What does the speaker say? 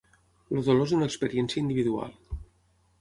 El dolor és una experiència individual.